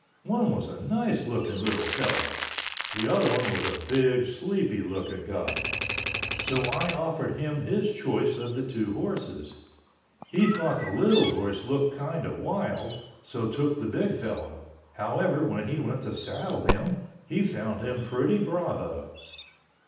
One was a nice looking little fellow—the other one was a big, sleepy looking guy. So I offered him his choice of the two horses. He thought the little horse looked kind of wild, so took the big fellow. However, when he went to saddle him he found him pretty bravo.